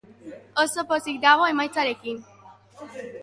Oso pozik dago emaitzarekin.